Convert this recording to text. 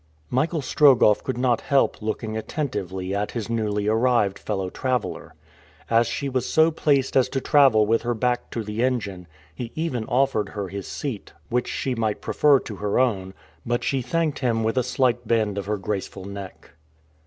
Michael Strogoff could not help looking attentively at his newly arrived fellow traveler. As she was so placed as to travel with her back to the engine, he even offered her his seat, which he might prefer to her own, but she thanked him with a slight bend of her graceful neck.